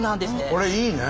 これいいね。